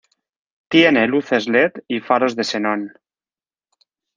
Tiene luces led y faros de xenón.